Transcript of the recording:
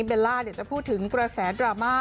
เวลาจะพูดถึงกระแสดราม่า